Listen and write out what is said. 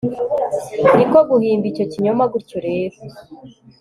niko guhimba icyo kinyoma gutyo rero